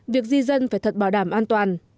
việc di dân phải thật bảo đảm an toàn